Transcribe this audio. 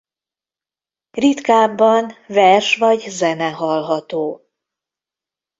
Ritkábban vers vagy zene hallható.